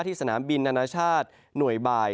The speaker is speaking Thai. สนามบินนานาชาติหน่วยบ่าย